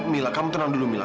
mila kamu tenang dulu mila